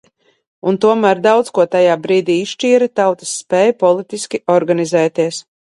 Un tomēr daudz ko tajā brīdī izšķīra tautas spēja politiski organizēties.